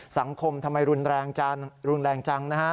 สังคมทำไมรุนแรงจัง